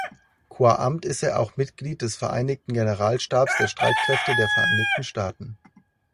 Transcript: Qua Amt ist er auch Mitglied des Vereinigten Generalstabs der Streitkräfte der Vereinigten Staaten.